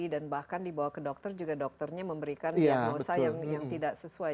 dan bahkan dibawa ke dokter juga dokternya memberikan diagnosa yang tidak sesuai